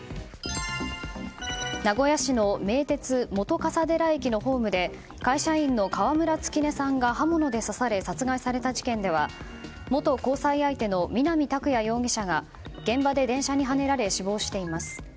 名古屋市の名鉄本笠寺駅のホームで会社員の川村月音さんが刃物で刺され殺害された事件では元交際相手の南拓哉容疑者が現場で電車にはねられ死亡しています。